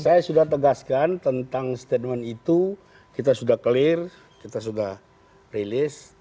saya sudah tegaskan tentang statement itu kita sudah clear kita sudah rilis